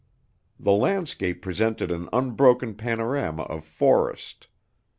The landscape presented an unbroken panorama of forest.